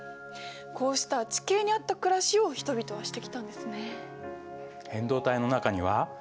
こうした地形に合った暮らしを人々はしてきたんですね。